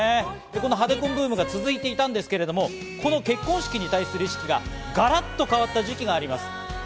ハデ婚ブームが続いていたんですけれども、この結婚式に対する意識がガラっと変わった時期があります。